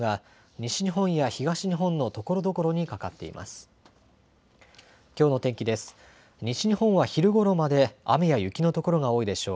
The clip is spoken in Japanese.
西日本は昼ごろまで雨や雪の所が多いでしょう。